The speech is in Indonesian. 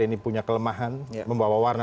ini punya kelemahan membawa warna